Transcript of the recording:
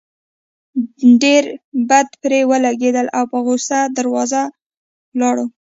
ډېر بد پرې ولګېدل او پۀ غصه دروازې له لاړه